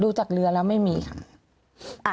จากเรือแล้วไม่มีค่ะ